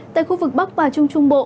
tại khu vực bắc và trung trung bộ